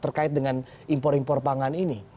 terkait dengan impor impor pangan ini